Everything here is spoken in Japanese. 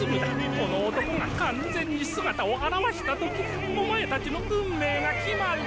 この男が完全に姿を現した時オマエたちの運命が決まる。